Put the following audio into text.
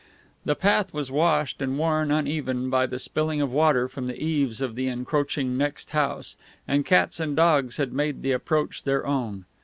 The path was washed and worn uneven by the spilling of water from the eaves of the encroaching next house, and cats and dogs had made the approach their own.